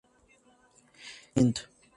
Que Sentimiento!